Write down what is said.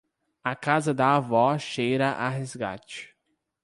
A casa da avó cheira a resgate.